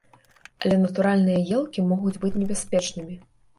Але натуральныя елкі могуць быць небяспечнымі.